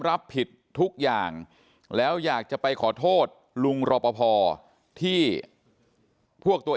รับผิดทุกอย่างแล้วอยากจะไปขอโทษลุงรอปภที่พวกตัวเอง